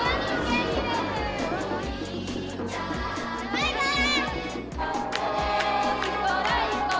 バイバーイ！